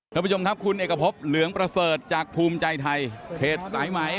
ท่านผู้ชมครับคุณเอกพบเหลืองประเสริฐจากภูมิใจไทยเขตสายไหม